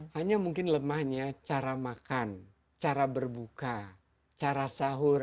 hanya mungkin lemahnya cara makan cara berbuka cara sahur